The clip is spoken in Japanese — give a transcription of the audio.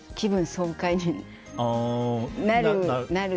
爽快になる。